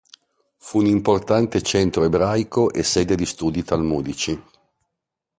Fu un importante centro ebraico e sede di studi talmudici.